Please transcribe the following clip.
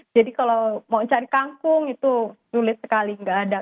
kalau mau cari kangkung itu sulit sekali nggak ada